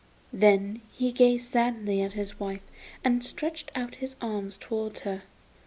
Then he gazed sadly at his wife and stretched out his arms towards her.